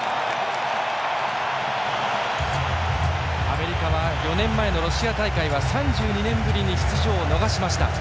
アメリカは４年前のロシア大会は３２年ぶりに出場を逃しました。